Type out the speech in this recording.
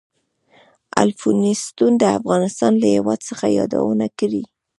الفونستون د افغانستان له هېواد څخه یادونه کړې.